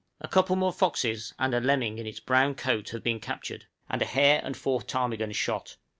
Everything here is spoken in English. A couple more foxes and a lemming in its brown coat have been captured, and a hare and four ptarmigan shot.